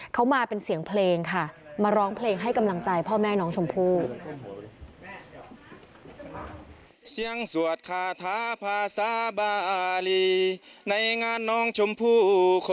เขามาเป็นเสียงเพลงค่ะมาร้องเพลงให้กำลังใจพ่อแม่น้องชมพู่